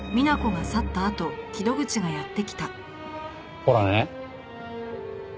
ほらね。